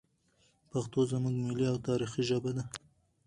پښتو زموږ ملي او تاریخي ژبه ده.